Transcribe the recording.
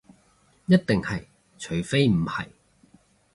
一定係，除非唔係